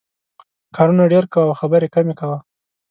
کارونه ډېر کوه او خبرې کمې کوه.